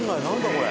これ。